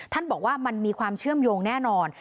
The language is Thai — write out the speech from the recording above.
บอกว่ามันมีความเชื่อมโยงแน่นอน